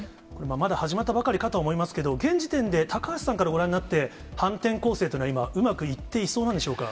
まだ始まったばかりかとは思いますが、現時点で、高橋さんからご覧になって、反転攻勢というのは今、うまくいっていそうなんでしょうか。